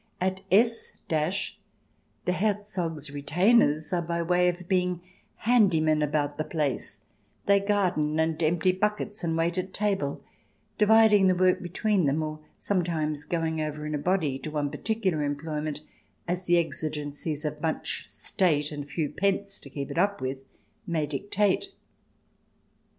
At S the Herzog's retainers* are byway of being handy men about the place ; they garden and empty buckets and wait at table, dividing the work between them, or sometimes going over in a body to one particular employment, as the exigencies of much state and few pence to keep it up with may dictate.